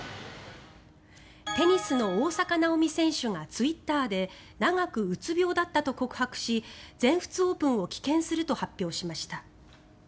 テニスの大坂なおみ選手がツイッターで長くうつ病だったと告白し全仏オープンを棄権すると発表しました。